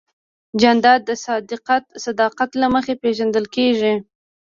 جانداد د صداقت له مخې پېژندل کېږي.